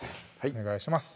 お願いします